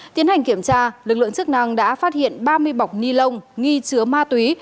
tiến hành kiểm tra lực lượng chức năng đã phát hiện ba mươi bọc ni lông nghi chứa ma túy